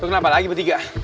lo kenapa lagi bertiga